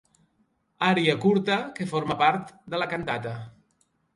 Ària curta que forma part de la cantata.